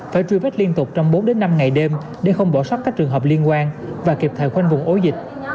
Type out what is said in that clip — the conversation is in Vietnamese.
phải truy vết liên tục trong bốn đến năm ngày đêm để không bỏ sót các trường hợp liên quan và kịp thời khoanh vùng ổ dịch